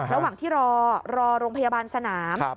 ระหว่างที่รอโรงพยาบาลสนาม